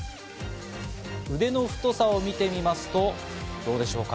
腕の太さを見てみますとどうでしょうか。